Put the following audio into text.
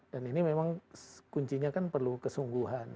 dan ini memang kuncinya kan perlu kesungguhan